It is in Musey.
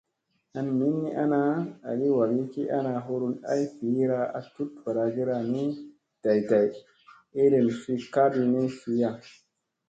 An min ni ana agi wagi ki ana hurun ay viʼira a tut varagira ni, day day, iirin fi ha ka ɗi ni fiya.